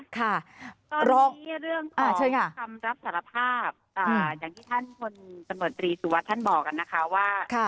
ตอนนี้เรื่องของคำรับสารภาพอย่างที่ท่านคนจำนวนตรีสุวรรค์ท่านบอกกันนะคะว่า